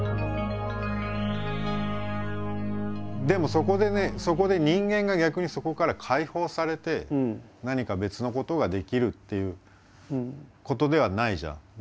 でもそこでねそこで人間が逆にそこから解放されて何か別のことができるということではないじゃん